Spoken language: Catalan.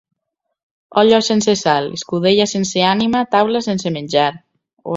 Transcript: Olla sense sal, escudella sense ànima, taula sense menjar.